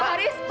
pak haris pak